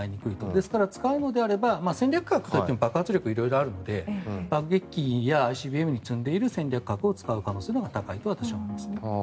ですから、使うのであれば戦略核といっても爆発力は色々あるので爆撃機やＩＣＢＭに積んでいる戦略核を使う可能性が高いと私は思います。